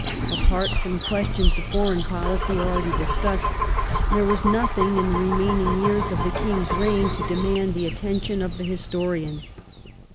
Apart from questions of foreign })olicy — 26th, 1830 already discussed — there was nothing in the remaining yeare of the King's reign to demand the attention of the historian.